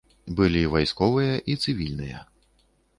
Былі вайсковыя і цывільныя.